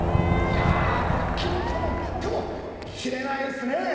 いやこれ切っても切っても切れないですねぇ。